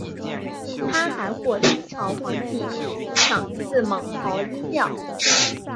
他还获清朝皇帝赏赐蟒袍衣料。